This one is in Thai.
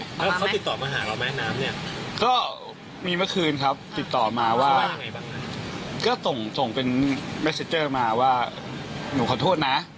แล้วเขาติดต่อมาหาเราแม่น้ำเนี่ยก็มีเมื่อคืนครับติดต่อมาว่าก็ส่งส่งเป็นเม็กซิเจอร์มาว่าหนูขอโทษนะ